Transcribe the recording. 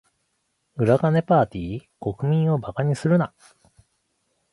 裏金パーティ？国民を馬鹿にするな。